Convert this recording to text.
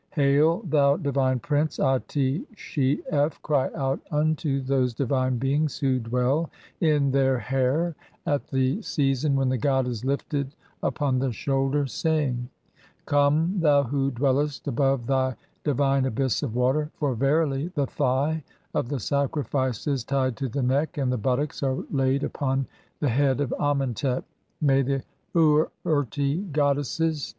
Hail, thou divine prince Ati she f, crv out "unto those divine beings who dwell in their hair at the (15) "season when the god is [lifted upon] the shoulder, saying : '"Come thou who [dwellest] above thy divine abyss of water, "for verily (16) the thigh [of the sacrifice] is tied to the neck, "and the buttocks are [laid] upon the head of Amentet.' May the "Ur urti goddesses